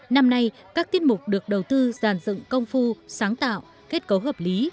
năm nay các tiết mục được đầu tư giàn dựng công phu sáng tạo kết cấu hợp lý